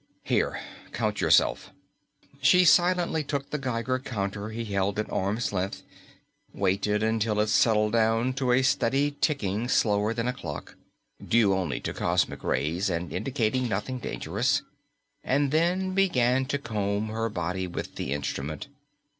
"Here, count yourself." She silently took the Geiger counter he held at arm's length, waited until it settled down to a steady ticking slower than a clock due only to cosmic rays and indicating nothing dangerous and then began to comb her body with the instrument.